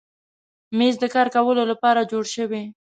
مېز د کار کولو لپاره جوړ شوی.